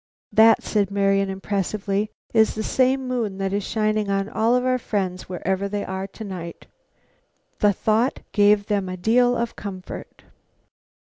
"That," said Marian impressively, "is the same moon that is shining on all our friends wherever they are to night." The thought gave them a deal of comfort.